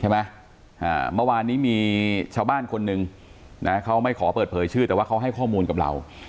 เมื่อวานนี้มีชาวบ้านคนหนึ่งนะเขาไม่ขอเปิดเผยชื่อแต่ว่าเขาให้ข้อมูลกับเรา